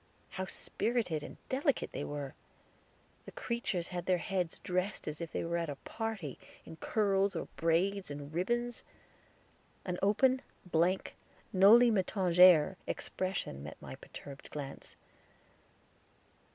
How spirited and delicate they were! The creatures had their heads dressed as if they were at a party in curls, or braids and ribbons. An open, blank, noli me tangere expression met my perturbed glance.